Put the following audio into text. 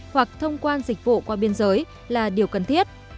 hoặc thông quan dịch vụ qua biên giới là điều cần thiết